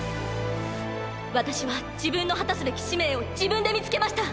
私は自分の果たすべき使命を自分で見つけました。